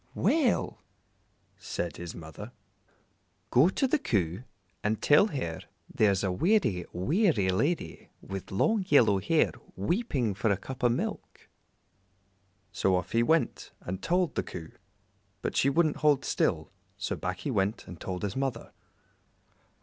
"Well," said his mother, "go to the Coo and tell her there's a weary, weary lady with long yellow hair weeping for a cup o' milk." So off he went and told the Coo, but she wouldn't hold still, so back he went and told his mother.